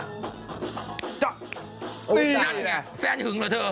นั่นแหละแฟนหึงแล้วเธอ